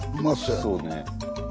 そうね。